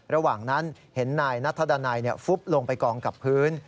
ระหว่างนั้นเห็นนายนัทดันัยฟุบลงไปกองกับพื้น